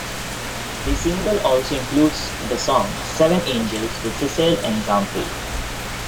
The single also includes the song "Seven Angels" with Sissel and Zamfir.